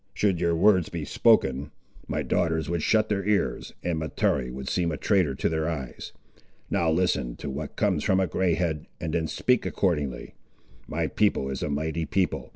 Should your words be spoken, my daughters would shut their ears, and Mahtoree would seem a trader to their eyes. Now listen to what comes from a grey head, and then speak accordingly. My people is a mighty people.